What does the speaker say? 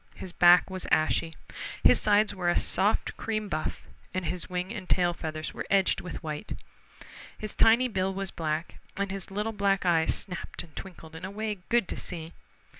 His back was ashy. His sides were a soft cream buff, and his wing and tail feathers were edged with white. His tiny bill was black, and his little black eyes snapped and twinkled in a way good to see.